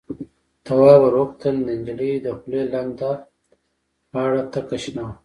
تواب ور وکتل، د نجلۍ دخولې لنده غاړه تکه شنه وه.